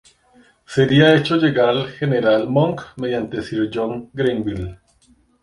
Sería hecho llegar al general Monck mediante sir John Greenville.